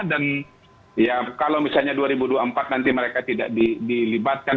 dan kalau misalnya dua ribu dua puluh empat nanti mereka tidak dilibatkan